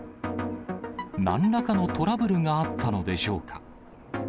なんらかのトラブルがあったのでしょうか。